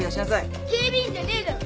警備員じゃねえだろ？